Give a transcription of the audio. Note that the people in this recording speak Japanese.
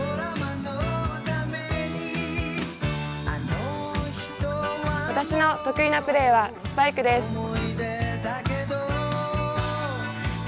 私の得意なプレーはスパイクです。